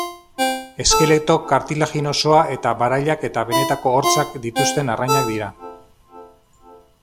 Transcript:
Eskeleto kartilaginosoa eta barailak eta benetako hortzak dituzten arrainak dira.